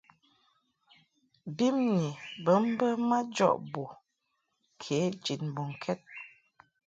Bimni bə mbə majɔʼ bo kě jid mbɔŋkɛd.